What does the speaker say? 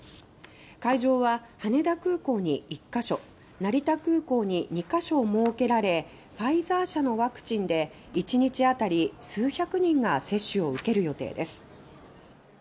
会場は、羽田空港に１か所成田空港に２か所設けられファイザー社のワクチンで１日あたり数百人が接種を受ける予定です。